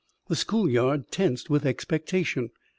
The school yard tensed with expectation.